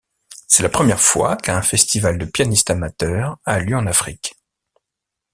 C'est la première fois qu'un festival de pianistes amateurs a lieu en Afrique.